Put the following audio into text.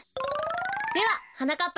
でははなかっ